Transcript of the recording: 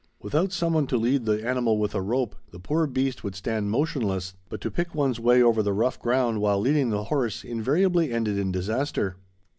Without some one to lead the animal with a rope, the poor beast would stand motionless, but to pick one's way over the rough ground while leading the horse invariably ended in disaster.